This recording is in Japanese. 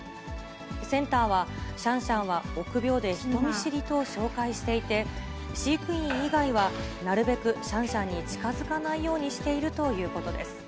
センターはシャンシャンは臆病で人見知りと紹介していて、飼育員以外はなるべくシャンシャンに近づかないようにしているということです。